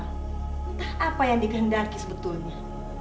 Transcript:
entah apa yang dikehendaki sebetulnya